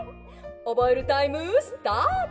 おぼえるタイムスタート！」。